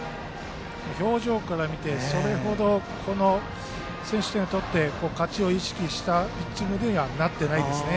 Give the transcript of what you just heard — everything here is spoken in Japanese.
表情から見てもそれ程、先取点を取って勝ちを意識したピッチングにはなってないですね。